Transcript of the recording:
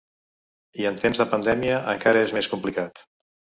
I en temps de pandèmia, encara és més complicat.